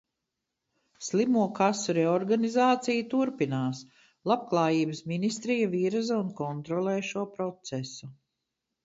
Slimokasu reorganizācija turpinās, Labklājības ministrija virza un kontrolē šo procesu.